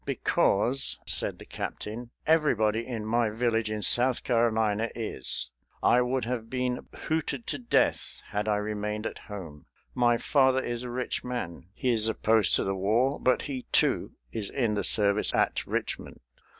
"Because," said the captain, "everybody in my village in South Carolina is. I would have been hooted to death had I remained at home. My father is a rich man; he is opposed to the war, but he, too, is in the service at Richmond."